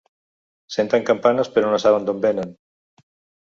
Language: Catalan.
Senten campanes però no saben d’on venen.